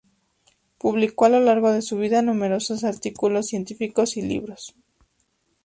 Publicó a lo largo de su vida numerosos artículos científicos y libros.